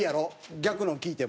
逆のを聞いても。